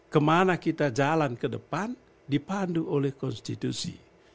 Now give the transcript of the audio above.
kemana kita jalan ke depan dipandu oleh konstitusi